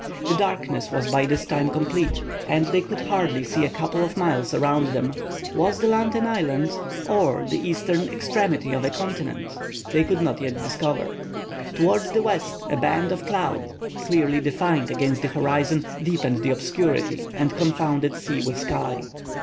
The darkness was by this time complete, and they could hardly see a couple of miles around them. Was the land an island, or the eastern extremity of a continent? They could not yet discover. Towards the west a band of cloud, clearly defined against the horizon, deepened the obscurity, and confounded sea with sky.